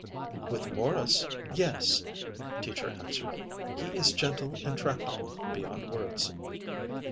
"With Morris yes," Teacher answered. "He is gentle and tractable beyond words."